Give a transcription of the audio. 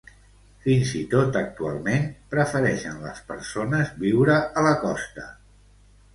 Fins i tot actualment prefereixen les persones viure a la costa.